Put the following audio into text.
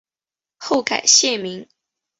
后改现名。